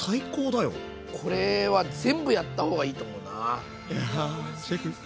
これは全部やった方がいいと思うな。